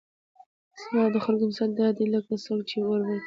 زما او د خلكو مثال داسي دئ لكه څوك چي اور بل كړي